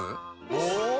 お！